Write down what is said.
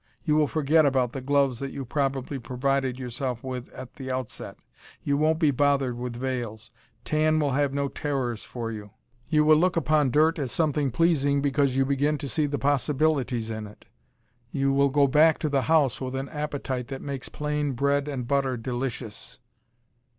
You will forget about the gloves that you probably provided yourself with at the outset. You won't be bothered with veils. Tan will have no terrors for you. You will look upon dirt as something pleasing because you begin to see the possibilities in it. You will go back to the house with an appetite that makes plain bread and butter delicious.